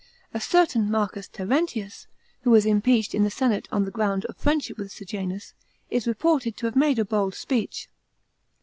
A certain Marcus Terentius, who was impeached in the senate on the ground of friendship with Sejanus, is reported to have made a bold speech.